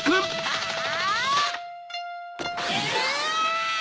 あ！あ！